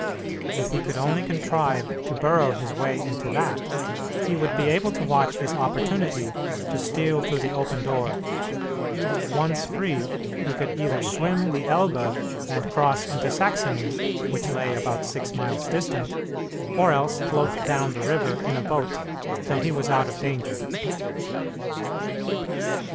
If he could only contrive to burrow his way into that, he would be able to watch his opportunity to steal through the open door; once free, he could either swim the Elbe and cross into Saxony, which lay about six miles distant, or else float down the river in a boat till he was out of danger.